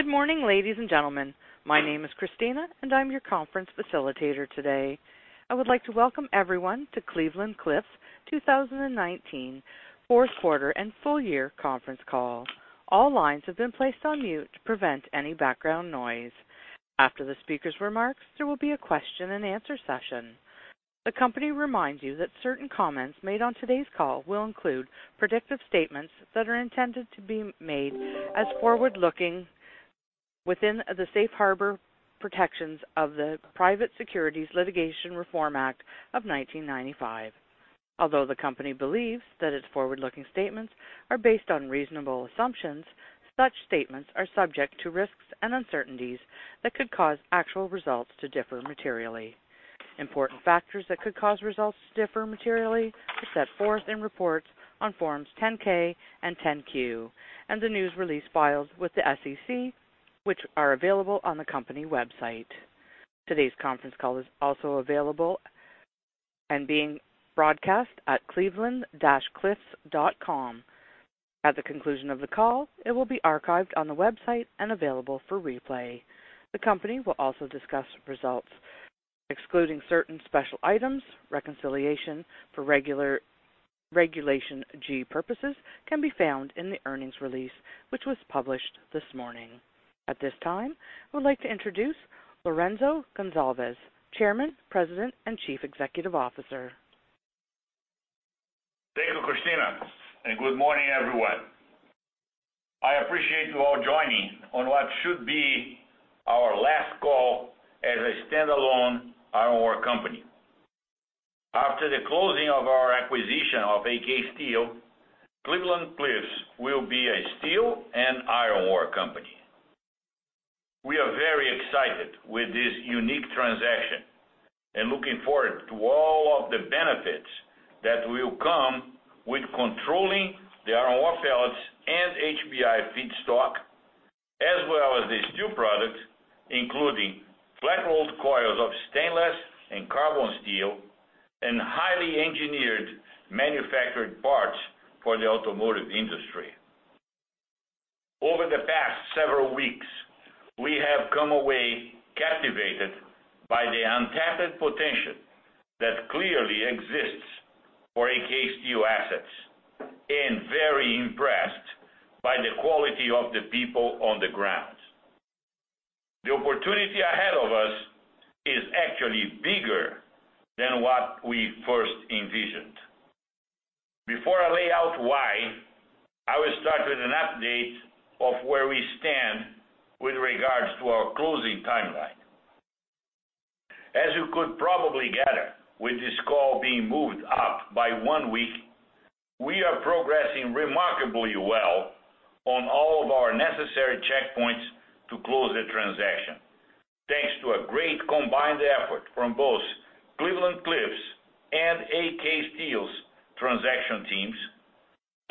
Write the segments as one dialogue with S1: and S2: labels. S1: Good morning, ladies and gentlemen. My name is Christina, and I'm your conference facilitator today. I would like to welcome everyone to Cleveland-Cliffs 2019 fourth quarter and full year conference call. All lines have been placed on mute to prevent any background noise. After the speaker's remarks, there will be a question and answer session. The company reminds you that certain comments made on today's call will include predictive statements that are intended to be made as forward-looking within the safe harbor protections of the Private Securities Litigation Reform Act of 1995. Although the company believes that its forward-looking statements are based on reasonable assumptions, such statements are subject to risks and uncertainties that could cause actual results to differ materially. Important factors that could cause results to differ materially are set forth in reports on Forms 10-K and 10-Q, and the news release files with the SEC, which are available on the company website. Today's conference call is also available and being broadcast at cleveland-cliffs.com. At the conclusion of the call, it will be archived on the website and available for replay. The company will also discuss results excluding certain special items. Reconciliation for Regulation G purposes can be found in the earnings release, which was published this morning. At this time, I would like to introduce Lourenco Goncalves, Chairman, President, and Chief Executive Officer.
S2: Thank you, Christina. Good morning, everyone. I appreciate you all joining on what should be our last call as a stand-alone iron ore company. After the closing of our acquisition of AK Steel, Cleveland-Cliffs will be a steel and iron ore company. We are very excited with this unique transaction and looking forward to all of the benefits that will come with controlling the iron ore pellets and HBI feedstock, as well as the steel products, including flat rolled coils of stainless and carbon steel, and highly engineered manufactured parts for the automotive industry. Over the past several weeks, we have come away captivated by the untapped potential that clearly exists for AK Steel assets and very impressed by the quality of the people on the ground. The opportunity ahead of us is actually bigger than what we first envisioned. Before I lay out why, I will start with an update of where we stand with regards to our closing timeline. As you could probably gather, with this call being moved up by one week, we are progressing remarkably well on all of our necessary checkpoints to close the transaction, thanks to a great combined effort from both Cleveland-Cliffs and AK Steel's transaction teams,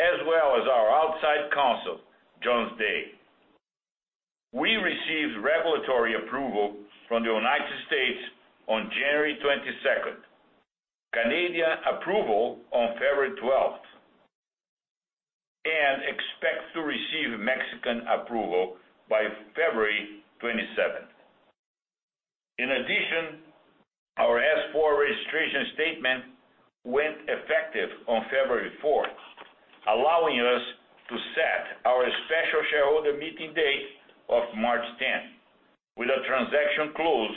S2: as well as our outside counsel, Jones Day. We received regulatory approval from the United States on January 22nd, Canadian approval on February 12th, and expect to receive Mexican approval by February 27th. In addition, our S-4 registration statement went effective on February 4th, allowing us to set our special shareholder meeting date of March 10th, with a transaction close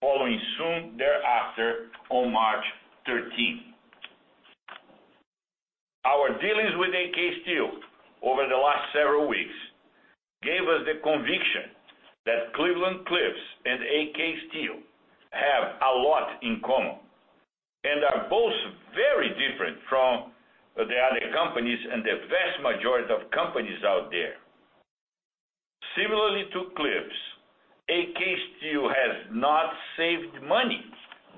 S2: following soon thereafter on March 13th. Our dealings with AK Steel over the last several weeks gave us the conviction that Cleveland-Cliffs and AK Steel have a lot in common and are both very different from the other companies and the vast majority of companies out there. Similarly to Cliffs, AK Steel has not saved money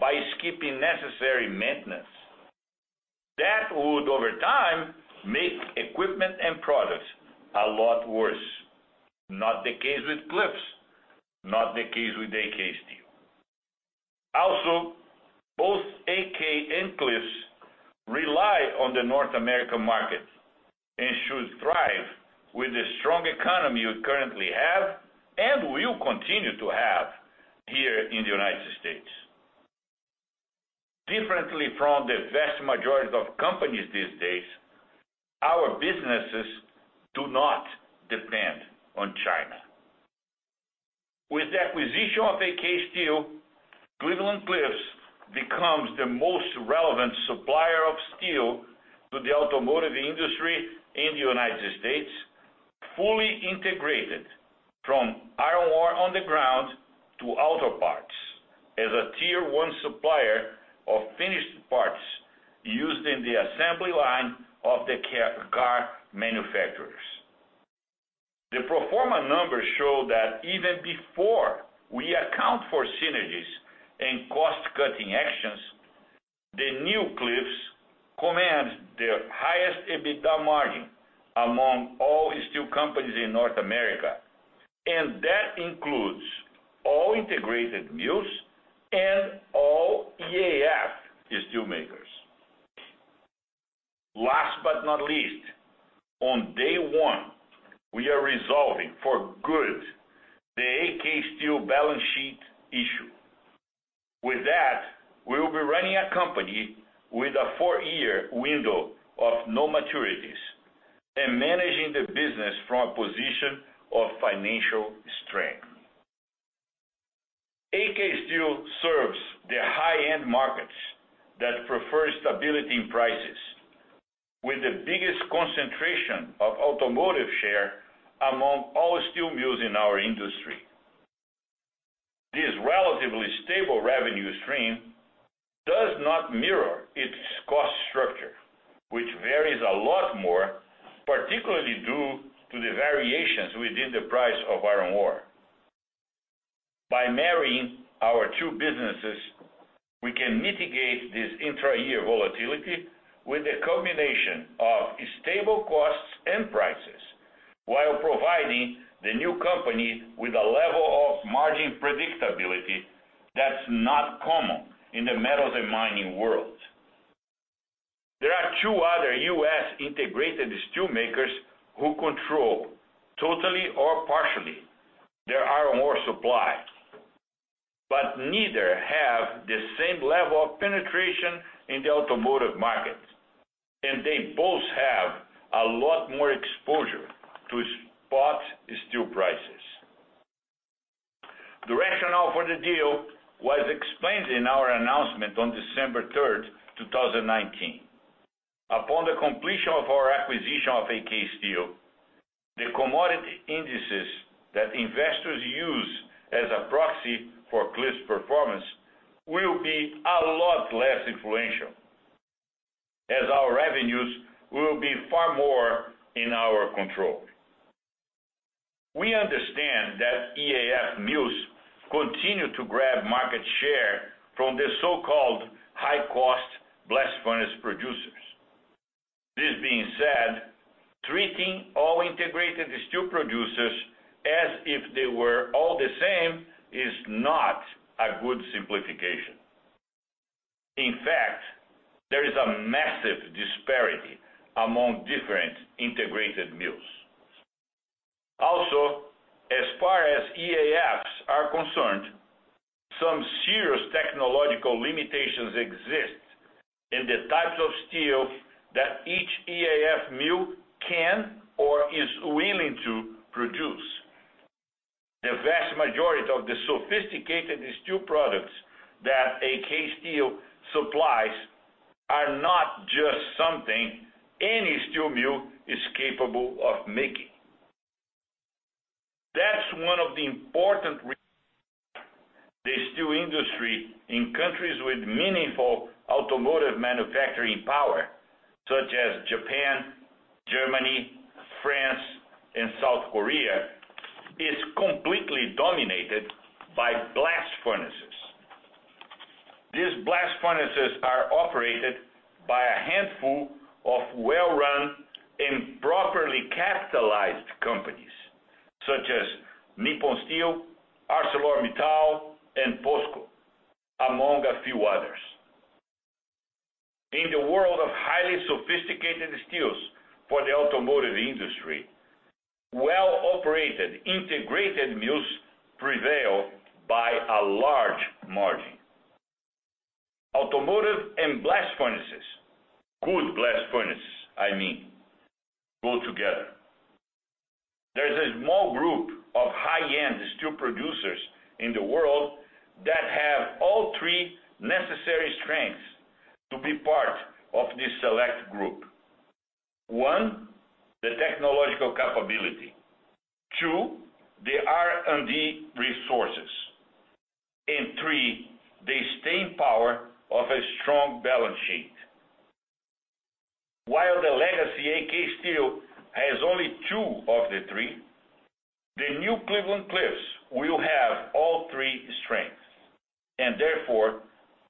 S2: by skipping necessary maintenance. That would, over time, make equipment and products a lot worse. Not the case with Cliffs, not the case with AK Steel. Also, both AK and Cliffs rely on the North American market and should thrive with the strong economy we currently have and will continue to have here in the United States. Differently from the vast majority of companies these days, our businesses do not depend on China. With the acquisition of AK Steel, Cleveland-Cliffs becomes the most relevant supplier of steel to the automotive industry in the United States, fully integrated from iron ore on the ground to auto parts as a tier 1 supplier of finished parts used in the assembly line of the car manufacturers. The pro forma numbers show that even before we account for synergies and cost-cutting actions, the new Cliffs commands the highest EBITDA margin among all steel companies in North America. That includes all integrated mills and all EAF steel makers. Last but not least, on day one, we are resolving for good the AK Steel balance sheet issue. With that, we will be running a company with a four-year window of no maturities and managing the business from a position of financial strength. AK Steel serves the high-end markets that prefer stability in prices, with the biggest concentration of automotive share among all steel mills in our industry. This relatively stable revenue stream does not mirror its cost structure, which varies a lot more, particularly due to the variations within the price of iron ore. By marrying our two businesses, we can mitigate this intra-year volatility with a combination of stable costs and prices while providing the new company with a level of margin predictability that's not common in the metals and mining world. There are two other U.S. integrated steelmakers who control, totally or partially, their iron ore supply, but neither have the same level of penetration in the automotive market, and they both have a lot more exposure to spot steel prices. The rationale for the deal was explained in our announcement on December 3rd, 2019. Upon the completion of our acquisition of AK Steel, the commodity indices that investors use as a proxy for Cliffs' performance will be a lot less influential as our revenues will be far more in our control. We understand that EAF mills continue to grab market share from the so-called high-cost blast furnace producers. This being said, treating all integrated steel producers as if they were all the same is not a good simplification. In fact, there is a massive disparity among different integrated mills. Also, as far as EAFs are concerned, some serious technological limitations exist in the types of steel that each EAF mill can or is willing to produce. The vast majority of the sophisticated steel products that AK Steel supplies are not just something any steel mill is capable of making. That's one of the important reasons the steel industry in countries with meaningful automotive manufacturing power, such as Japan, Germany, France, and South Korea, is completely dominated by blast furnaces. These blast furnaces are operated by a handful of well-run and properly capitalized companies, such as Nippon Steel, ArcelorMittal, and POSCO, among a few others. In the world of highly sophisticated steels for the automotive industry, well-operated integrated mills prevail by a large margin. Automotive and blast furnaces, good blast furnaces, I mean, go together. There's a small group of high-end steel producers in the world that have all three necessary strengths to be part of this select group. One, the technological capability. Two, the R&D resources. And three, the staying power of a strong balance sheet. While the legacy AK Steel has only two of the three, the new Cleveland-Cliffs will have all three strengths, and therefore,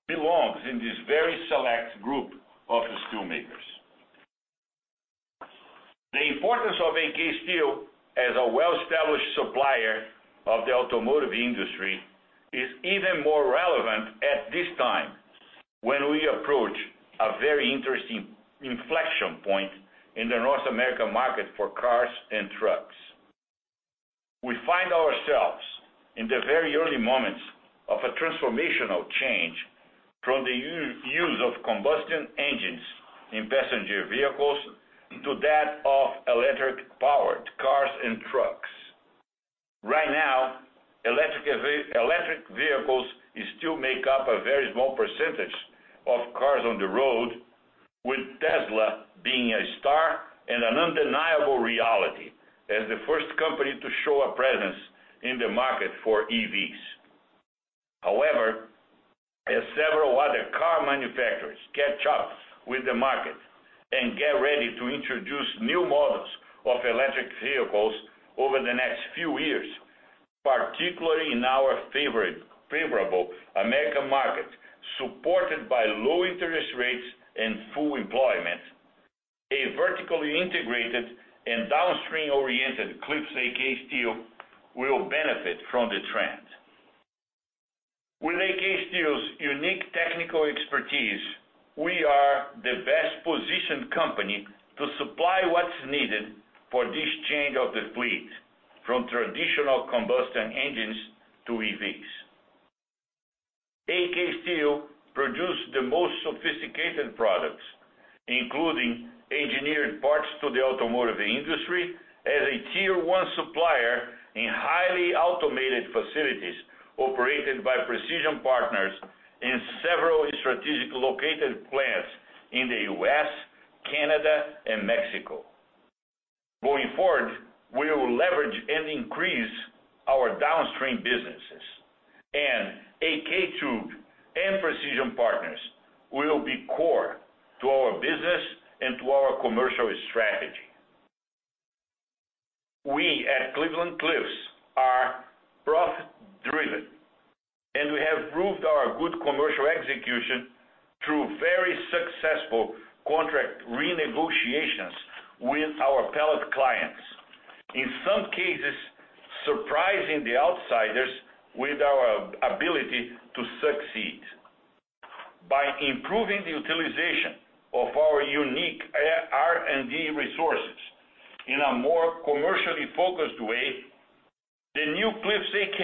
S2: belongs in this very select group of the steelmakers. The importance of AK Steel as a well-established supplier of the automotive industry is even more relevant at this time, when we approach a very interesting inflection point in the North American market for cars and trucks. We find ourselves in the very early moments of a transformational change from the use of combustion engines in passenger vehicles to that of electric-powered cars and trucks. Right now, electric vehicles still make up a very small percentage of cars on the road, with Tesla being a star and an undeniable reality as the first company to show a presence in the market for EVs. As several other car manufacturers catch up with the market and get ready to introduce new models of electric vehicles over the next few years, particularly in our favorable American market, supported by low interest rates and full employment. A vertically integrated and downstream-oriented Cliffs AK Steel will benefit from the trend. With AK Steel's unique technical expertise, we are the best-positioned company to supply what's needed for this change of the fleet from traditional combustion engines to EVs. AK Steel produce the most sophisticated products, including engineered parts to the automotive industry as a tier 1 supplier in highly automated facilities operated by Precision Partners in several strategic located plants in the U.S., Canada, and Mexico. Going forward, we will leverage and increase our downstream businesses, AK Tube and Precision Partners will be core to our business and to our commercial strategy. We at Cleveland-Cliffs are profit-driven, and we have proved our good commercial execution through very successful contract renegotiations with our pellet clients. In some cases, surprising the outsiders with our ability to succeed. By improving the utilization of our unique R&D resources in a more commercially focused way, the new Cliffs AK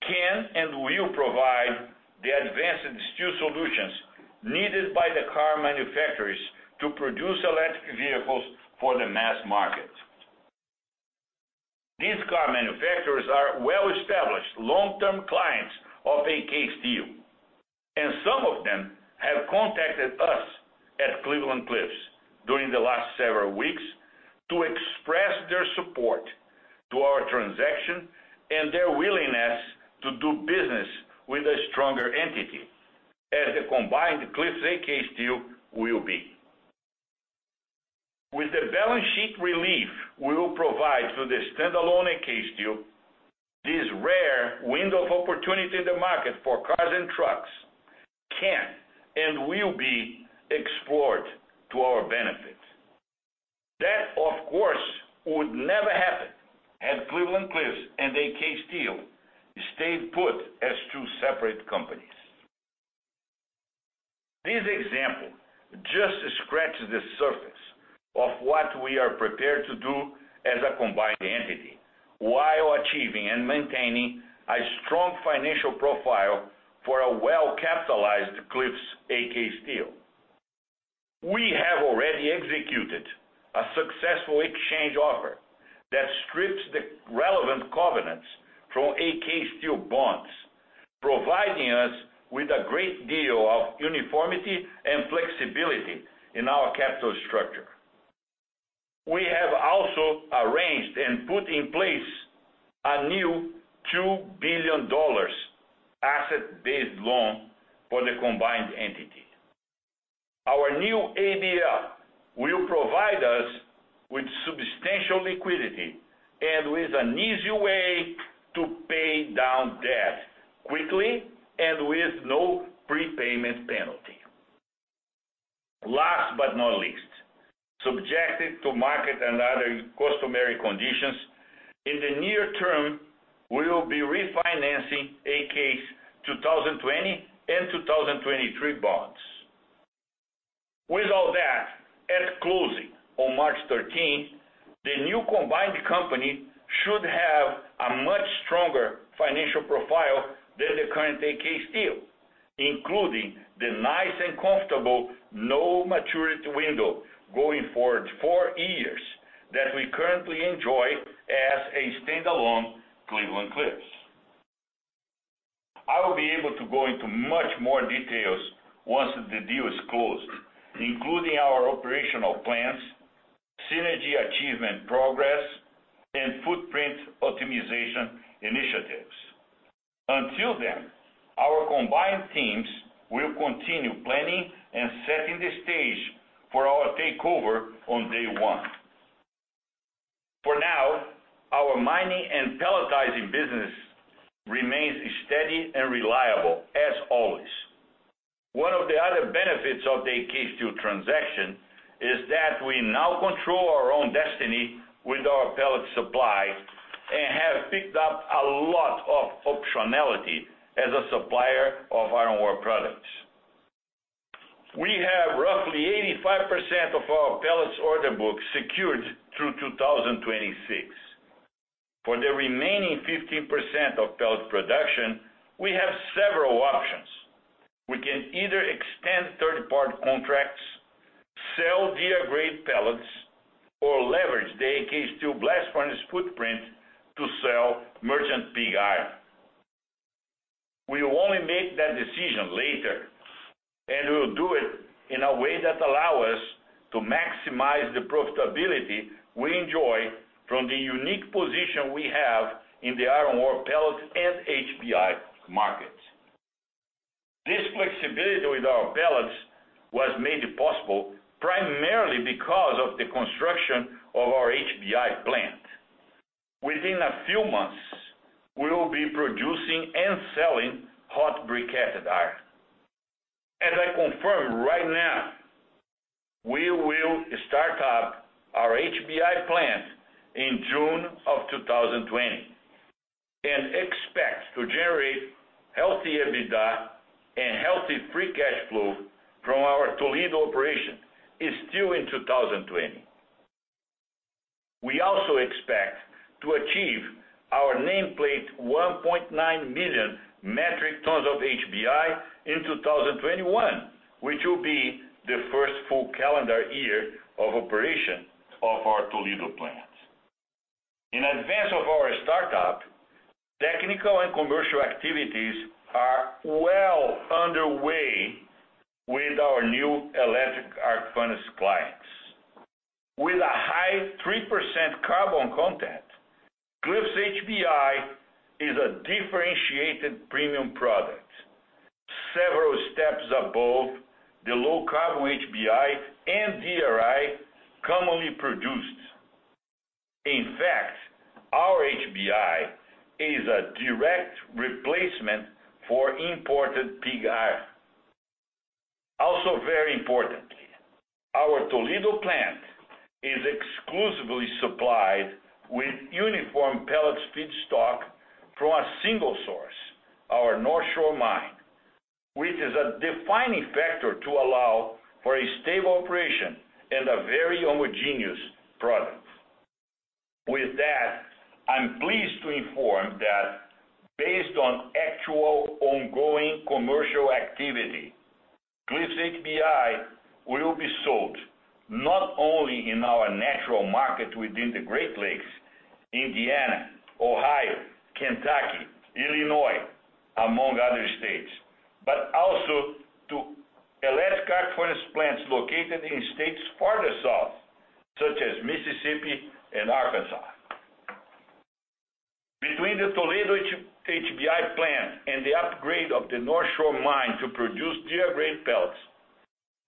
S2: can and will provide the advanced steel solutions needed by the car manufacturers to produce electric vehicles for the mass market. These car manufacturers are well-established, long-term clients of AK Steel, and some of them have contacted us at Cleveland-Cliffs during the last several weeks to express their support to our transaction and their willingness to do business with a stronger entity as the combined Cliffs AK Steel will be. With the balance sheet relief we will provide through the standalone AK Steel, this rare window of opportunity in the market for cars and trucks can and will be explored to our benefit. That, of course, would never happen had Cleveland-Cliffs and AK Steel stayed put as two separate companies. This example just scratches the surface of what we are prepared to do as a combined entity while achieving and maintaining a strong financial profile for a well-capitalized Cliffs AK Steel. We have already executed a successful exchange offer that strips the relevant covenants from AK Steel bonds, providing us with a great deal of uniformity and flexibility in our capital structure. We have also arranged and put in place a new $2 billion asset-based loan for the combined entity. Our new ABL will provide us with substantial liquidity and with an easy way to pay down debt quickly and with no prepayment penalty. Last but not least, subjected to market and other customary conditions, in the near term, we will be refinancing AK's 2020 and 2023 bonds. With all that, at closing on March 13th, the new combined company should have a much stronger financial profile than the current AK Steel, including the nice and comfortable low maturity window going forward for years that we currently enjoy as a standalone Cleveland-Cliffs. I will be able to go into much more details once the deal is closed, including our operational plans, synergy achievement progress, and footprint optimization initiatives. Until then, our combined teams will continue planning and setting the stage for our takeover on day one. For now, our mining and pelletizing business remains steady and reliable as always. One of the other benefits of the AK Steel transaction is that we now control our own destiny with our pellet supply and have picked up a lot of optionality as a supplier of iron ore products. We have roughly 85% of our pellets order book secured through 2026. For the remaining 15% of pellet production, we have several options. We can either extend third-party contracts, sell DR-grade pellets, or leverage the AK Steel blast furnace footprint to sell merchant pig iron. We will only make that decision later, and we will do it in a way that allow us to maximize the profitability we enjoy from the unique position we have in the iron ore pellet and HBI markets. This flexibility with our pellets was made possible primarily because of the construction of our HBI plant. Within a few months, we will be producing and selling hot-briquetted iron. As I confirm right now, we will start up our HBI plant in June of 2020, and expect to generate healthy EBITDA and healthy free cash flow from our Toledo Operation still in 2020. We also expect to achieve our nameplate 1.9 million metric tons of HBI in 2021, which will be the first full calendar year of operation of our Toledo plant. In advance of our start-up, technical and commercial activities are well underway with our new electric arc furnace clients. With a high 3% carbon content, Cliffs HBI is a differentiated premium product, several steps above the low-carbon HBI and DRI commonly produced. In fact, our HBI is a direct replacement for imported pig iron. Very importantly, our Toledo plant is exclusively supplied with uniform pellet feedstock from a single source, our Northshore Mining, which is a defining factor to allow for a stable operation and a very homogeneous product. With that, I'm pleased to inform that based on actual ongoing commercial activity, Cliffs HBI will be sold not only in our natural market within the Great Lakes, Indiana, Ohio, Kentucky, Illinois, among other states, but also to electric arc furnace plants located in states farther south, such as Mississippi and Arkansas. Between the Toledo HBI plant and the upgrade of the Northshore Mining to produce DR-grade pellets,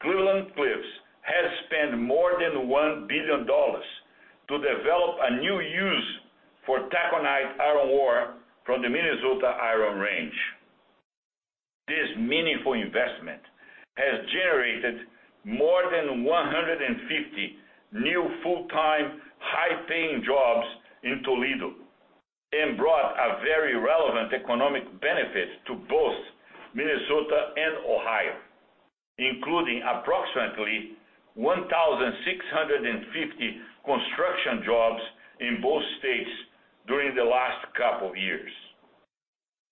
S2: Cleveland-Cliffs has spent more than $1 billion to develop a new use for taconite iron ore from the Minnesota Iron Range. This meaningful investment has generated more than 150 new full-time, high-paying jobs in Toledo, and brought a very relevant economic benefit to both Minnesota and Ohio, including approximately 1,650 construction jobs in both states during the last couple of years.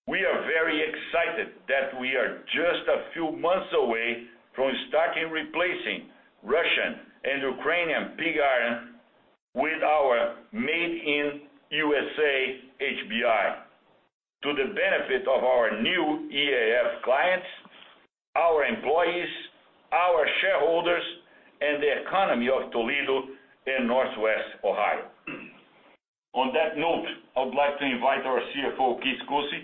S2: We are very excited that we are just a few months away from starting replacing Russian and Ukrainian pig iron with our Made in USA HBI, to the benefit of our new EAF clients, our employees, our shareholders, and the economy of Toledo and Northwest Ohio. On that note, I would like to invite our CFO, Keith Koci,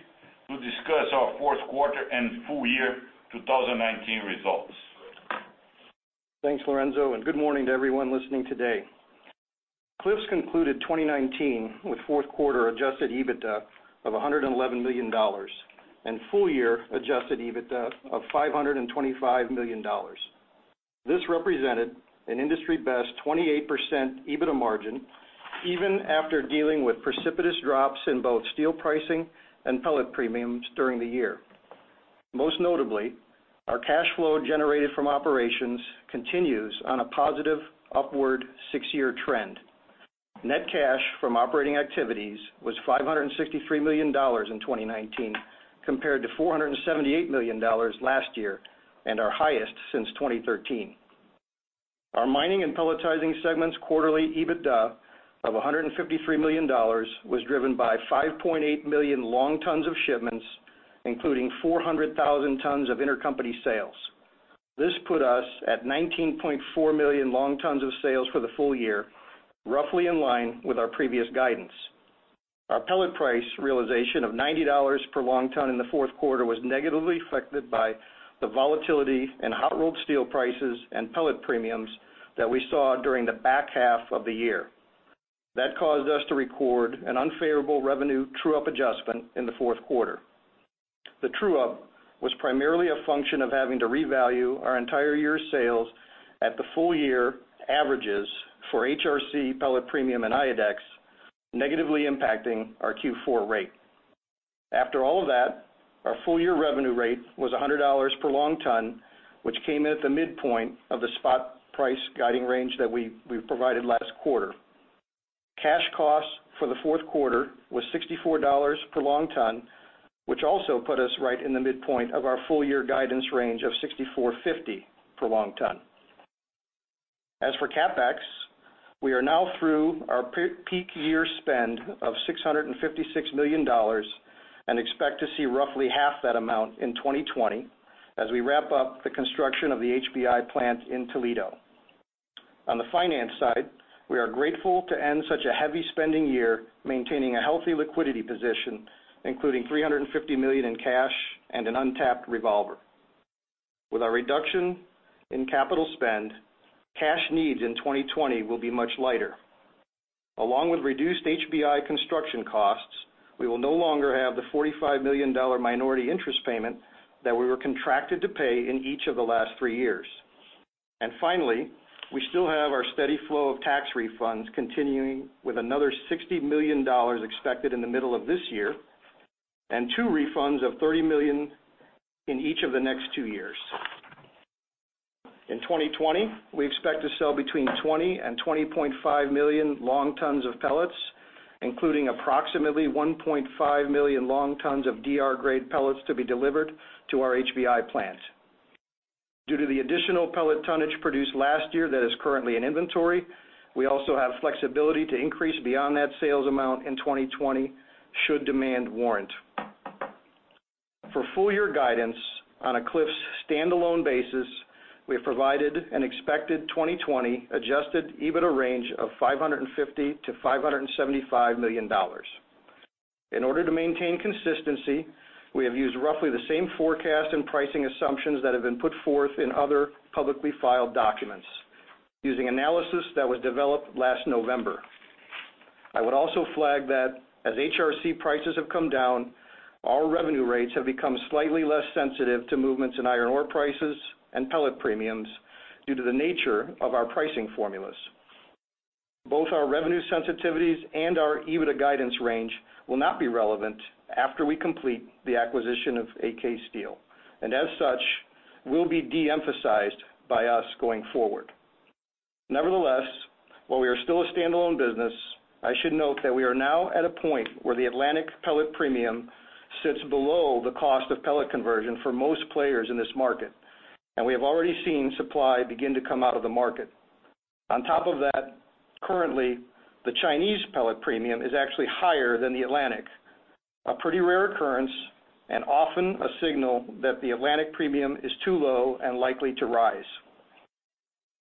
S2: to discuss our fourth quarter and full year 2019 results.
S3: Thanks, Lourenco, and good morning to everyone listening today. Cliffs concluded 2019 with fourth quarter adjusted EBITDA of $111 million, and full year adjusted EBITDA of $525 million. This represented an industry-best 28% EBITDA margin, even after dealing with precipitous drops in both steel pricing and pellet premiums during the year. Most notably, our cash flow generated from operations continues on a positive upward six-year trend. Net cash from operating activities was $563 million in 2019, compared to $478 million last year, and our highest since 2013. Our mining and pelletizing segment's quarterly EBITDA of $153 million was driven by 5.8 million long tons of shipments, including 400,000 tons of intercompany sales. This put us at 19.4 million long tons of sales for the full year, roughly in line with our previous guidance. Our pellet price realization of $90 per long ton in the fourth quarter was negatively affected by the volatility in hot-rolled steel prices and pellet premiums that we saw during the back half of the year. That caused us to record an unfavorable revenue true-up adjustment in the fourth quarter. The true-up was primarily a function of having to revalue our entire year's sales at the full year averages for HRC pellet premium and IODEX, negatively impacting our Q4 rate. After all of that, our full year revenue rate was $100 per long ton, which came in at the midpoint of the spot price guiding range that we provided last quarter. Cash costs for the fourth quarter were $64 per long ton, which also put us right in the midpoint of our full year guidance range of $64.50 per long ton. As for CapEx, we are now through our peak year spend of $656 million, and expect to see roughly half that amount in 2020 as we wrap up the construction of the HBI plant in Toledo. On the finance side, we are grateful to end such a heavy spending year maintaining a healthy liquidity position, including $350 million in cash and an untapped revolver. With our reduction in capital spend, cash needs in 2020 will be much lighter. Along with reduced HBI construction costs, we will no longer have the $45 million minority interest payment that we were contracted to pay in each of the last three years. Finally, we still have our steady flow of tax refunds continuing with another $60 million expected in the middle of this year, and two refunds of $30 million in each of the next two years. In 2020, we expect to sell between 20 and 20.5 million long tons of pellets, including approximately 1.5 million long tons of DR-grade pellets to be delivered to our HBI plant. Due to the additional pellet tonnage produced last year that is currently in inventory, we also have flexibility to increase beyond that sales amount in 2020 should demand warrant. For full year guidance on a Cliffs stand-alone basis, we have provided an expected 2020 adjusted EBITDA range of $550 million-$575 million. In order to maintain consistency, we have used roughly the same forecast and pricing assumptions that have been put forth in other publicly filed documents using analysis that was developed last November. I would also flag that as HRC prices have come down, our revenue rates have become slightly less sensitive to movements in iron ore prices and pellet premiums due to the nature of our pricing formulas. Both our revenue sensitivities and our EBITDA guidance range will not be relevant after we complete the acquisition of AK Steel, and as such, will be de-emphasized by us going forward. Nevertheless, while we are still a stand-alone business, I should note that we are now at a point where the Atlantic Pellet Premium sits below the cost of pellet conversion for most players in this market. We have already seen supply begin to come out of the market. On top of that, currently, the Chinese Pellet Premium is actually higher than the Atlantic, a pretty rare occurrence and often a signal that the Atlantic premium is too low and likely to rise.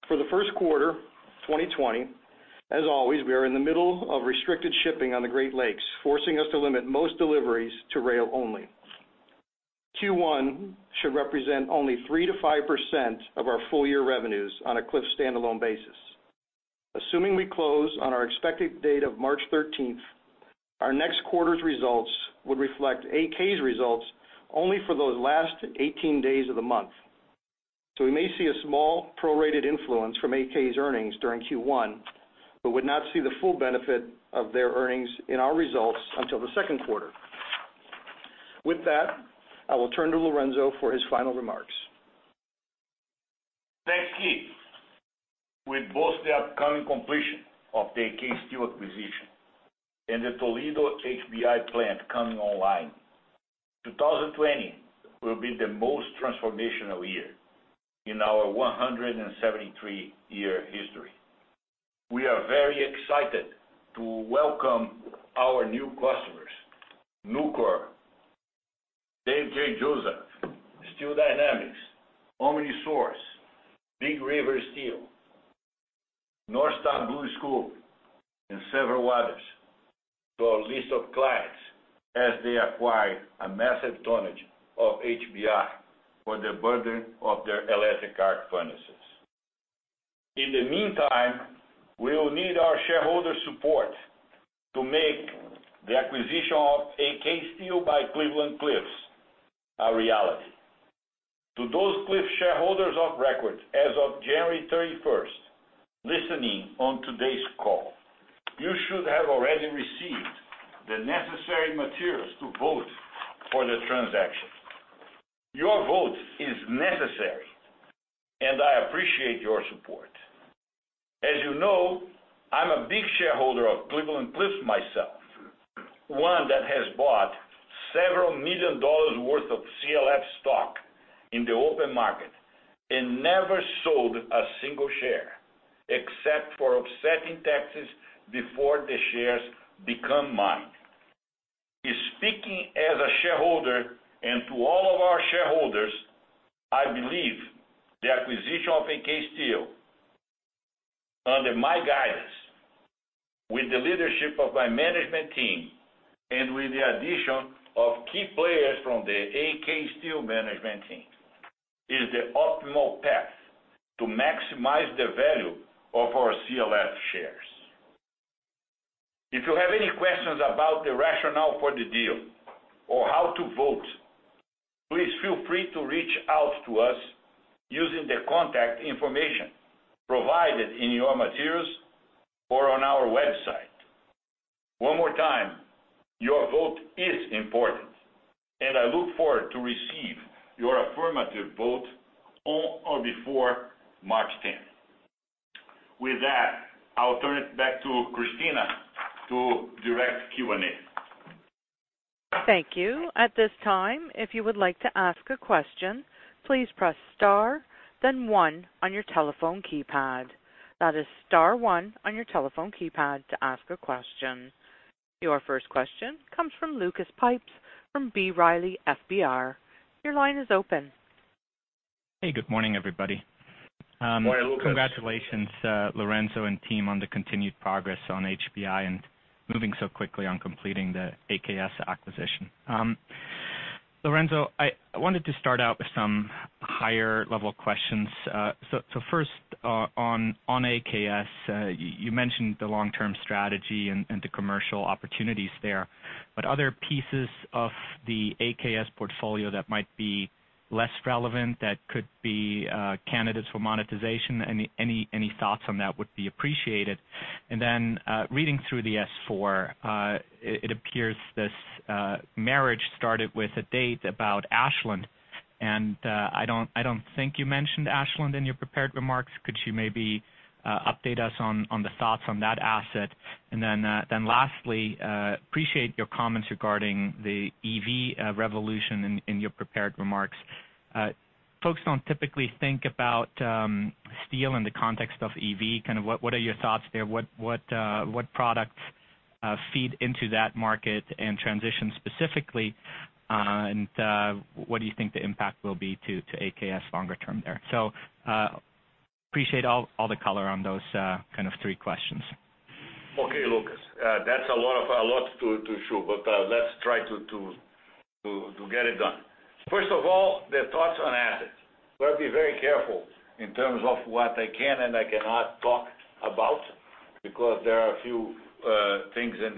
S3: For the first quarter 2020, as always, we are in the middle of restricted shipping on the Great Lakes, forcing us to limit most deliveries to rail only. Q1 should represent only 3%-5% of our full year revenues on a Cliffs stand-alone basis. Assuming we close on our expected date of March 13th, our next quarter's results would reflect AK's results only for those last 18 days of the month. We may see a small prorated influence from AK's earnings during Q1, but would not see the full benefit of their earnings in our results until the second quarter. With that, I will turn to Lourenco for his final remarks.
S2: Thanks, Keith. With both the upcoming completion of the AK Steel acquisition and the Toledo HBI plant coming online, 2020 will be the most transformational year in our 173-year history. We are very excited to welcome our new customers, Nucor, Dave J. Joseph, Steel Dynamics, OmniSource, Big River Steel, North Star BlueScope, and several others to our list of clients as they acquire a massive tonnage of HBI for the burden of their electric arc furnaces. In the meantime, we will need our shareholders' support to make the acquisition of AK Steel by Cleveland-Cliffs a reality. To those Cliffs shareholders on record as of January 31st listening on today's call, you should have already received the necessary materials to vote for the transaction. Your vote is necessary, and I appreciate your support. As you know, I'm a big shareholder of Cleveland-Cliffs myself, one that has bought several million dollars worth of CLF stock in the open market and never sold a single share except for offsetting taxes before the shares become mine. Speaking as a shareholder and to all of our shareholders, I believe the acquisition of AK Steel under my guidance, with the leadership of my management team, and with the addition of key players from the AK Steel management team, is the optimal path to maximize the value of our CLF shares. If you have any questions about the rationale for the deal or how to vote, please feel free to reach out to us using the contact information provided in your materials or on our website. One more time, your vote is important, and I look forward to receive your affirmative vote on or before March 10th. With that, I will turn it back to Christina to direct Q&A.
S1: Thank you. At this time, if you would like to ask a question, please press star then one on your telephone keypad. That is star one on your telephone keypad to ask a question. Your first question comes from Lucas Pipes from B. Riley FBR. Your line is open.
S4: Hey, good morning, everybody. Congratulations, Lourenco and team, on the continued progress on HBI and moving so quickly on completing the AKS acquisition. Lourenco, I wanted to start out with some higher-level questions. First, on AKS, you mentioned the long-term strategy and the commercial opportunities there. Other pieces of the AKS portfolio that might be less relevant, that could be candidates for monetization. Any thoughts on that would be appreciated. Reading through the S-4, it appears this marriage started with a date about Ashland. I don't think you mentioned Ashland in your prepared remarks. Could you maybe update us on the thoughts on that asset? Lastly, appreciate your comments regarding the EV revolution in your prepared remarks. Folks don't typically think about steel in the context of EV. What are your thoughts there? What products feed into that market and transition specifically, and what do you think the impact will be to AKS longer term there? Appreciate all the color on those three questions.
S2: Okay, Lucas. That's a lot to chew, let's try to get it done. First of all, the thoughts on assets. Got to be very careful in terms of what I can and I cannot talk about, because there are a few things in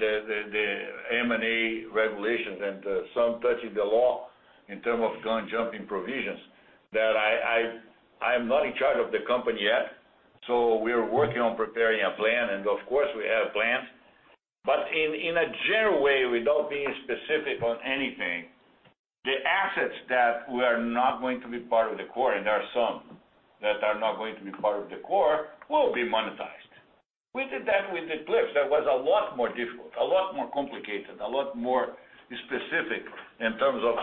S2: the M&A regulations, and some touching the law in terms of gun-jumping provisions, that I am not in charge of the company yet. We are working on preparing a plan, and of course, we have plans. In a general way, without being specific on anything, the assets that were not going to be part of the core, and there are some that are not going to be part of the core, will be monetized. We did that with the Cliffs. That was a lot more difficult, a lot more complicated, a lot more specific in terms of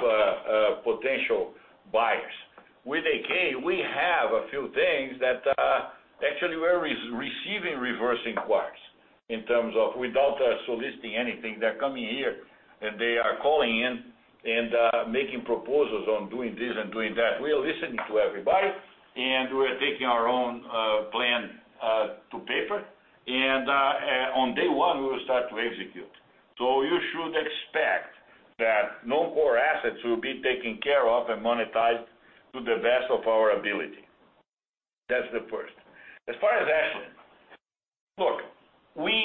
S2: potential buyers. With AK, we have a few things that actually we're receiving reverse inquiries in terms of without us soliciting anything. They're coming here, and they are calling in and making proposals on doing this and doing that. We are listening to everybody, and we are taking our own plan to paper. On day one, we will start to execute. You should expect that non-core assets will be taken care of and monetized to the best of our ability. That's the first. As far as Ashland, look, we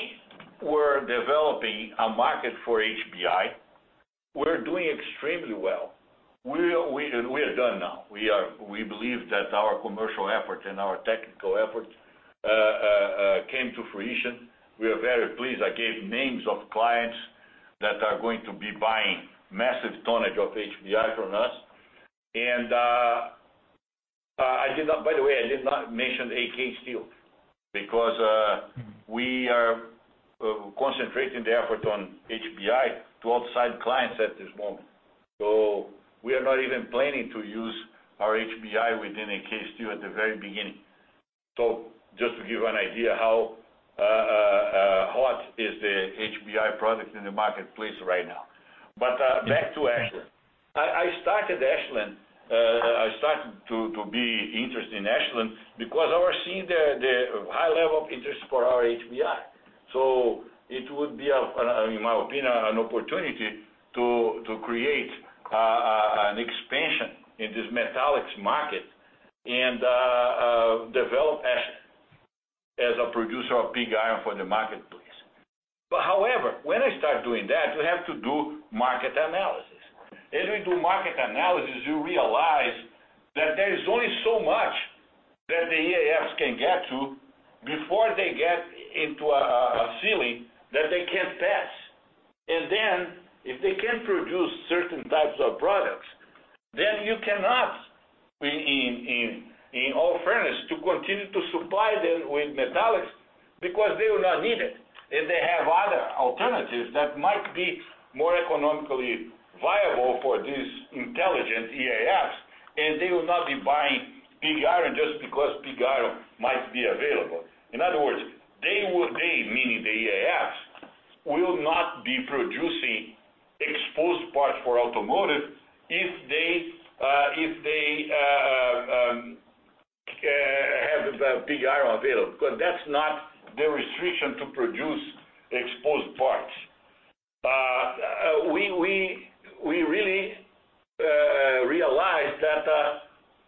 S2: were developing a market for HBI. We're doing extremely well. We are done now. We believe that our commercial efforts and our technical efforts came to fruition. We are very pleased. I gave names of clients that are going to be buying massive tonnage of HBI from us. By the way, I did not mention AK Steel because we are concentrating the effort on HBI to outside clients at this moment. We are not even planning to use our HBI within AK Steel at the very beginning. Just to give you an idea how hot is the HBI product in the marketplace right now. Back to Ashland. I started to be interested in Ashland because I was seeing the high level of interest for our HBI. It would be, in my opinion, an opportunity to create an expansion in this metallics market and develop Ashland as a producer of pig iron for the marketplace. However, when I start doing that, we have to do market analysis. As we do market analysis, you realize that there is only so much that the EAFs can get to before they get into a ceiling that they can't pass. If they can't produce certain types of products, then you cannot, in all fairness, to continue to supply them with metallics because they will not need it if they have other alternatives that might be more economically viable for these intelligent EAFs. They will not be buying pig iron just because pig iron might be available. In other words, they, meaning the EAFs, will not be producing exposed parts for automotive if they have the pig iron available, because that's not the restriction to produce exposed parts. We really realized that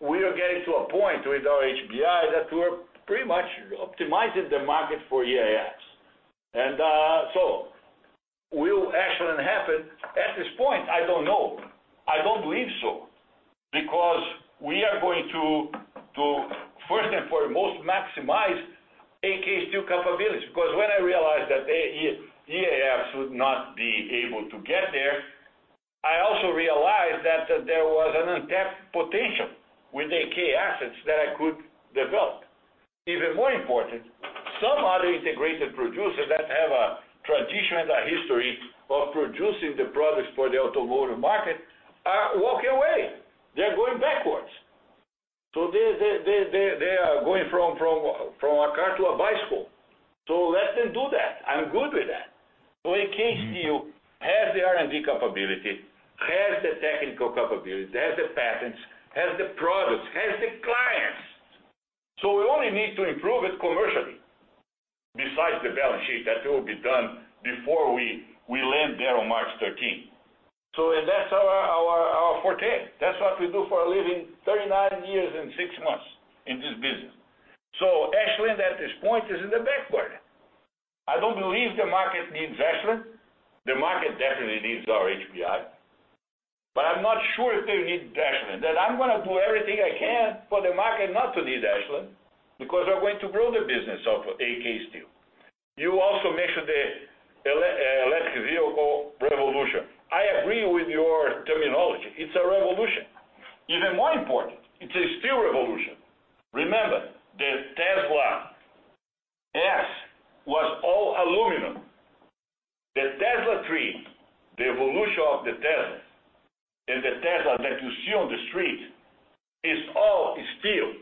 S2: we are getting to a point with our HBI that we're pretty much optimizing the market for EAFs. Will Ashland happen at this point? I don't know. I don't believe so, because we are going to first and foremost maximize AK Steel capabilities. When I realized that the EAFs would not be able to get there, I also realized that there was an untapped potential with AK assets that I could develop. Even more important, some other integrated producers that have a tradition and a history of producing the products for the automotive market are walking away. They are going backwards. They are going from a car to a bicycle. Let them do that. I'm good with that. AK Steel R&D capability, has the technical capability, has the patents, has the products, has the clients. We only need to improve it commercially, besides the balance sheet that will be done before we land there on March 13. That's our forte. That's what we do for a living, 39 years and six months in this business. Ashland, at this point, is in the back burner. I don't believe the market needs Ashland. The market definitely needs our HBI, but I'm not sure if they need Ashland. That I'm going to do everything I can for the market not to need Ashland, because we're going to grow the business of AK Steel. You also mentioned the electric vehicle revolution. I agree with your terminology. It's a revolution. Even more important, it's a steel revolution. Remember, the Tesla S was all aluminum. The Tesla 3, the evolution of the Tesla, and the Tesla that you see on the street is all steel.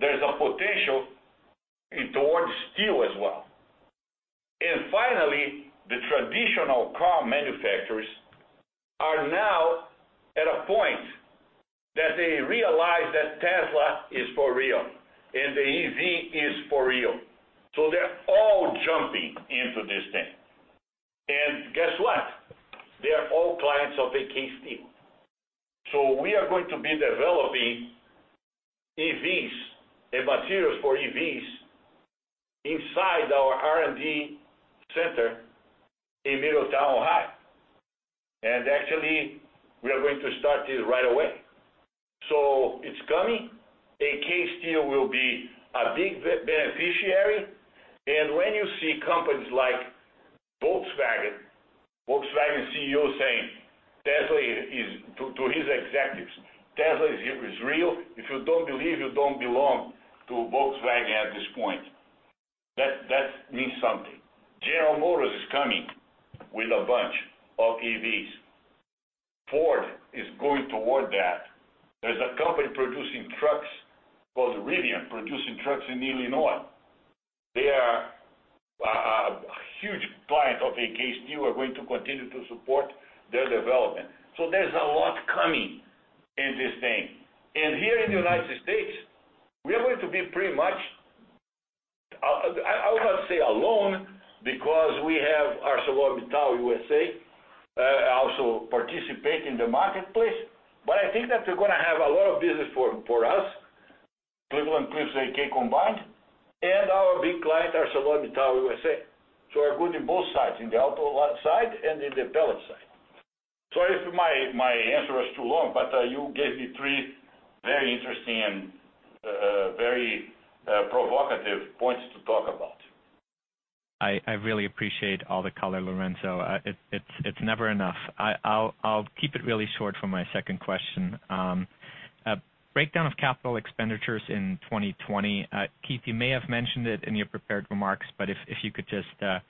S2: There's a potential towards steel as well. Finally, the traditional car manufacturers are now at a point that they realize that Tesla is for real, and the EV is for real. They're all jumping into this thing. Guess what? They are all clients of AK Steel. We are going to be developing EVs and materials for EVs inside our R&D center in Middletown, Ohio. Actually, we are going to start this right away. It's coming. AK Steel will be a big beneficiary, and when you see companies like Volkswagen CEO saying to his executives, "Tesla is real. If you don't believe, you don't belong to Volkswagen at this point." That means something. General Motors is coming with a bunch of EVs. Ford is going toward that. There's a company producing trucks, called Rivian, producing trucks in Illinois. They are a huge client of AK Steel. We're going to continue to support their development. There's a lot coming in this thing. Here in the United States, we are going to be pretty much, I would not say alone, because we have ArcelorMittal USA, also participate in the marketplace. I think that they're going to have a lot of business for us, Cleveland-Cliffs, AK combined, and our big client, ArcelorMittal USA. We're good in both sides, in the auto side and in the pellet side. Sorry if my answer is too long, you gave me three very interesting and very provocative points to talk about.
S4: I really appreciate all the color, Lourenco. It's never enough. I'll keep it really short for my second question. A breakdown of capital expenditures in 2020. Keith, you may have mentioned it in your prepared remarks, but if you could just.
S3: Sure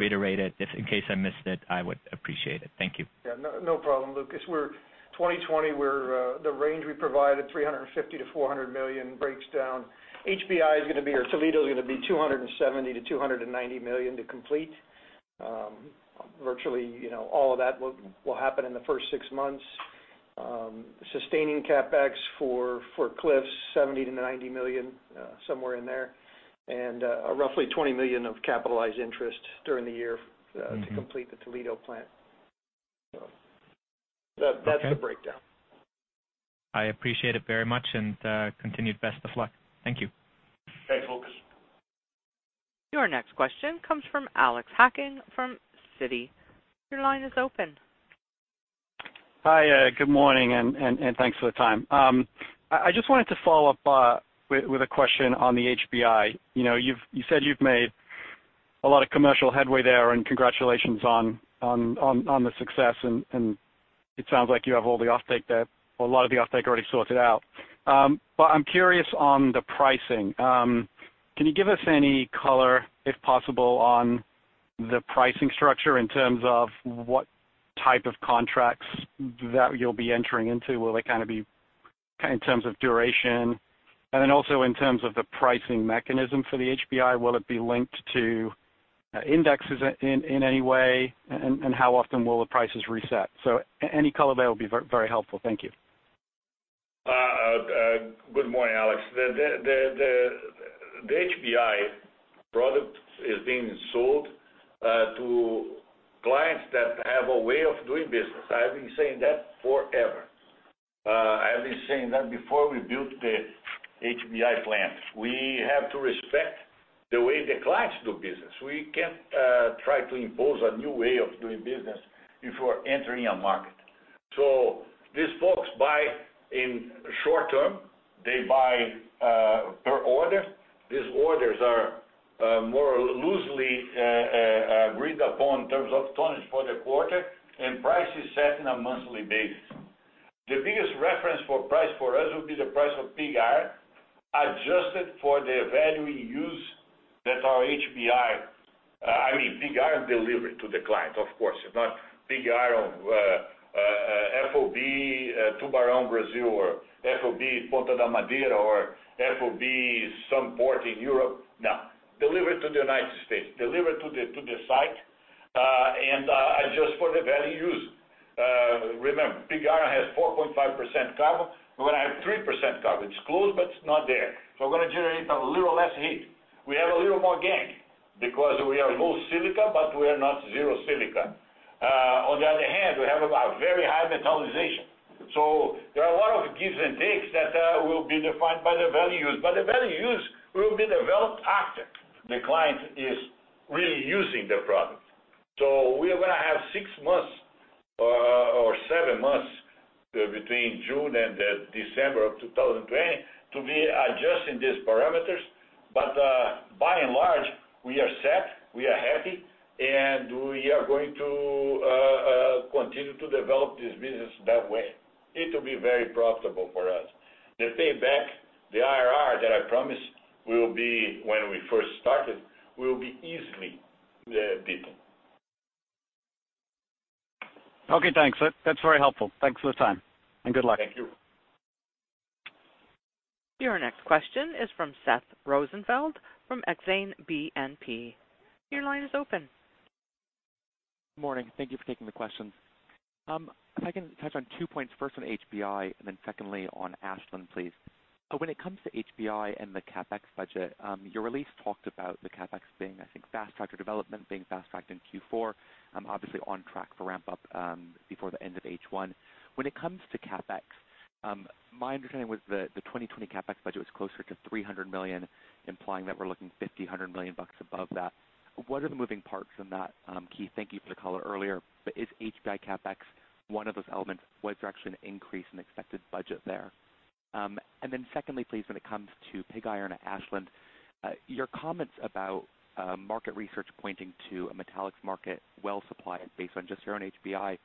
S4: reiterate it, if in case I missed it, I would appreciate it. Thank you.
S3: Yeah. No problem, Lucas. 2020, the range we provided, $350 million-$400 million, breaks down. Toledo is going to be $270 million-$290 million to complete. Virtually all of that will happen in the first six months. Sustaining CapEx for Cliffs, $70 million-$90 million, somewhere in there. Roughly $20 million of capitalized interest during the year. to complete the Toledo plant. That's the breakdown.
S4: Okay. I appreciate it very much. Continued best of luck. Thank you.
S2: Thanks, Lucas.
S1: Your next question comes from Alex Hacking from Citi. Your line is open.
S5: Hi. Good morning, and thanks for the time. I just wanted to follow up with a question on the HBI. You said you've made a lot of commercial headway there, and congratulations on the success, and it sounds like you have all the offtake there, or a lot of the offtake already sorted out. I'm curious on the pricing. Can you give us any color, if possible, on the pricing structure in terms of what type of contracts that you'll be entering into? Will they be in terms of duration? In terms of the pricing mechanism for the HBI, will it be linked to indexes in any way, and how often will the prices reset? Any color there will be very helpful. Thank you.
S2: Good morning, Alex. The HBI product is being sold to clients that have a way of doing business. I've been saying that forever. I've been saying that before we built the HBI plant. We have to respect the way the clients do business. We can't try to impose a new way of doing business before entering a market. These folks buy in short term. They buy per order. These orders are more loosely agreed upon in terms of tonnage for the quarter, and price is set in a monthly basis. The biggest reference for price for us will be the price of pig iron, adjusted for the value we use that our HBI, I mean pig iron delivered to the client, of course, not pig iron FOB Tubarão, Brazil, or FOB Ponta da Madeira, or FOB some port in Europe. No. Deliver it to the United States, deliver it to the site, and adjust for the value use. Remember, pig iron has 4.5% carbon. We're going to have 3% carbon. It's close, but it's not there. We're going to generate a little less heat. We have a little more gangue because we are low silica, but we are not zero silica. On the other hand, we have a very high metallization. There are a lot of gives and takes that will be defined by the value use, but the value use will be developed after the client is really using the product. We are going to have six months or seven months, between June and December of 2020, to be adjusting these parameters. By and large, we are set, we are happy, and we are going to continue to develop this business that way. It will be very profitable for us. The payback, the IRR that I promised when we first started, will be easily beaten.
S5: Okay, thanks. That's very helpful. Thanks for the time, and good luck.
S2: Thank you.
S1: Your next question is from Seth Rosenfeld from Exane BNP. Your line is open.
S6: Morning. Thank you for taking the questions. If I can touch on two points, first on HBI and then secondly on Ashland, please. When it comes to HBI and the CapEx budget, your release talked about the CapEx being, I think, fast-tracked, or development being fast-tracked in Q4, obviously on track for ramp-up before the end of H1. When it comes to CapEx, my understanding was the 2020 CapEx budget was closer to $300 million, implying that we're looking $50 million-$100 million above that. What are the moving parts in that, Keith? Thank you for the color earlier, but is HBI CapEx one of those elements? Was there actually an increase in expected budget there? Secondly, please, when it comes to pig iron at Ashland, your comments about market research pointing to a metallics market well-supplied based on just your own HBI,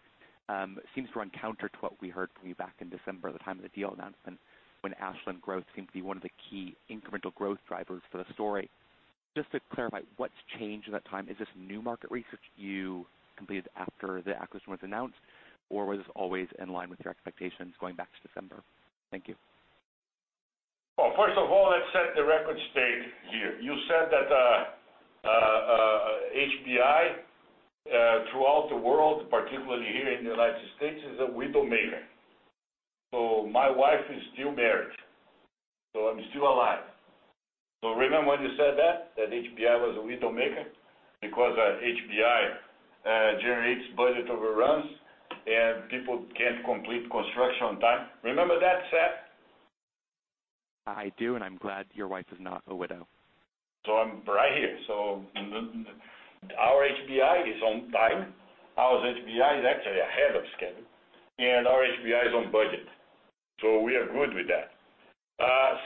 S6: seems to run counter to what we heard from you back in December at the time of the deal announcement, when Ashland growth seemed to be one of the key incremental growth drivers for the story. Just to clarify, what's changed in that time? Is this new market research you completed after the acquisition was announced, or was this always in line with your expectations going back to December? Thank you.
S2: First of all, let's set the record straight here. You said that HBI throughout the world, particularly here in the United States, is a widow-maker. My wife is still married, so I'm still alive. Remember when you said that HBI was a widow-maker because HBI generates budget overruns and people can't complete construction on time? Remember that, Seth?
S6: I do, and I'm glad your wife is not a widow.
S2: I'm right here. Our HBI is on time. Our HBI is actually ahead of schedule, and our HBI is on budget. We are good with that.